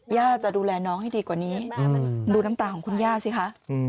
จะดูแลน้องให้ดีกว่านี้ดูน้ำตาของคุณย่าสิคะ